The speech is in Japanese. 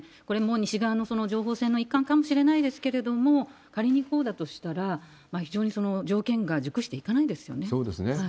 これも西側の情報戦の一貫かもしれないですけれども、仮にこうだとしたら、非常に条件が熟していかないんですよね。